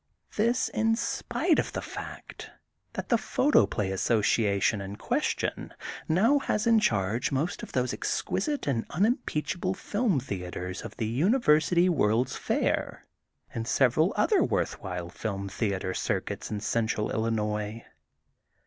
This in spite of the fact that the Photo play Association in question now has in charge most of those exquisite and unim peachable film theatres of the University World *s Fair and several other worthwhile film theatre circuits in Central Illinois.